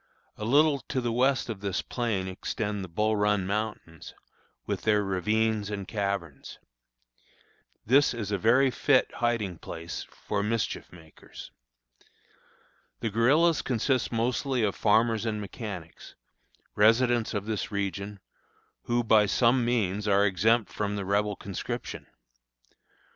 A little to the west of this plain extend the Bull Run Mountains, with their ravines and caverns. This is a very fit hiding place for mischief makers. The guerillas consist mostly of farmers and mechanics, residents of this region, who, by some means, are exempt from the Rebel conscription.